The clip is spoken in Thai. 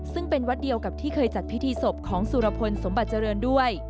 ซึ่งเป็นวัดเดียวกับที่เคยจัดพิธีศพของสุรพลสมบัติเจริญด้วย